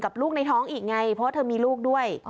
ลูกในท้องอีกไงเพราะว่าเธอมีลูกด้วย